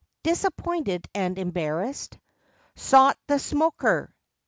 Disappointed and embarrassed, Sought the "smoker."